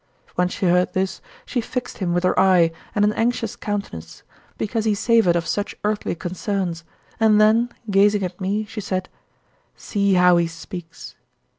When she heard this, she fixed him with her eye and an anxious countenance, because he savored of such earthly concerns, and then gazing at me she said, "See how he speaks."